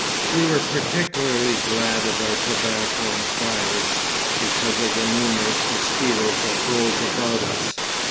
We were particularly glad of our tobacco and fires, because of the numerous mosquitoes that rose about us.